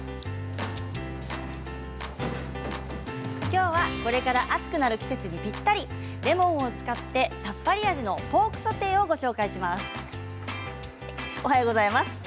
きょうはこれから暑くなる季節にぴったりレモンを使ってさっぱり味のポークソテーをご紹介します。